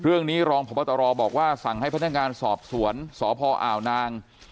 รองพบตรบอกว่าสั่งให้พนักงานสอบสวนสพอ่าวนาง